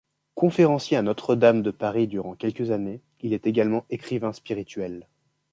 Conférencier à Notre-Dame de Paris durant quelques années il est également écrivain spirituel.